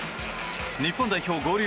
日本代表合流